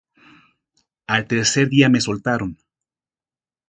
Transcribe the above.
Al tercer día me soltaron.